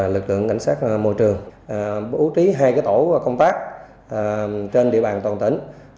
lực lượng cảnh sát môi trường bố trí hai tổ công tác trên địa bàn toàn tỉnh